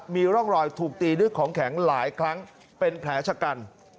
มีร่องรอยถูกตีด้วยของแข็งหลายครั้งเป็นแผลชะกัน